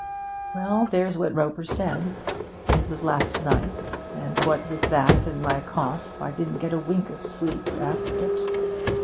'Well, there's what Roper said. It was last night, and what with that and my cough, I didn't get a wink of sleep after it.